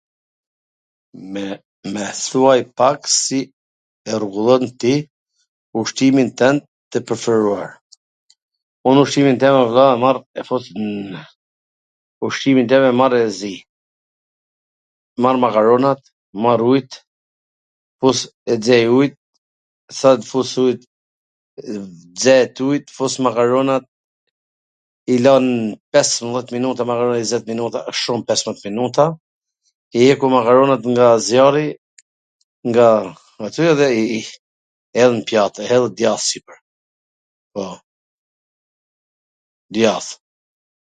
Me thuaj pak si e rrugullon ti ushqimin twnd tw preferuar. Un ushqimin tem o vlla e marr e fus nw ... un ushqimin tem e marr e zij, marr makaronat, marr ujt, fus e xej ujt, sa t fus ujt, xehet ujt, fus makaronat, i lw pesmbwdhet minuta makaronat, njwzet minuta, wsht shum pesmbwdhet minuta, i heku makaronat nga zjarri, nga aty, edhe i hedh nw pjat, hedh djath sipwr, po djath,,,